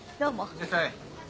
いらっしゃい。